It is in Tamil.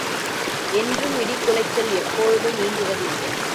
என்றும் இடி குலைச்சல் எப்பொழுதும் நீங்குவது இல்லை.